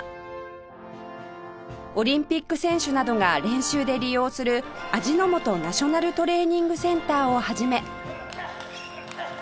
オリンピック選手などが練習で利用する味の素ナショナルトレーニングセンターを始め